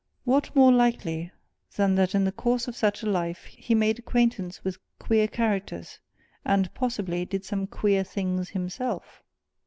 What more likely than that in the course of such a life he made acquaintance with queer characters, and possibly did some queer things himself?